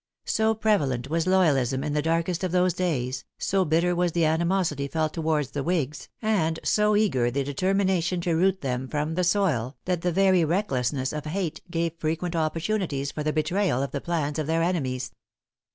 So prevalent was loyalism in the darkest of those days, so bitter was the animosity felt towards the whigs, and so eager the determination to root them from the soil, that the very recklessness of hate gave frequent opportunities for the betrayal of the plans of their enemies.